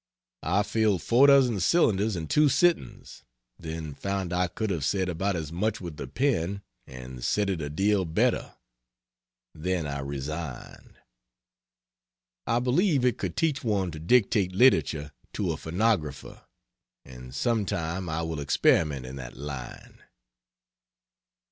I filled four dozen cylinders in two sittings, then found I could have said about as much with the pen and said it a deal better. Then I resigned. I believe it could teach one to dictate literature to a phonographer and some time I will experiment in that line.